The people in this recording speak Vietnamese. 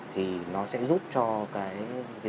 thì nó sẽ giúp cho cái